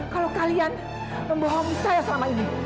kalau kalian membohongi saya selama ini